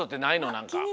なんか。